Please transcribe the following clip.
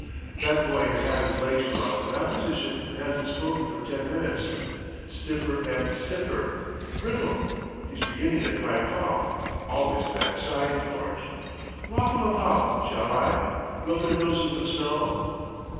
"That boy has had his legs crossed in that position and hasn't spoken for ten minutes. Stiffer and stiffer. Brittle. He's beginning a dry cough—always a bad sign, George.... Walk 'em about, shall I?—rub their noses with snow?"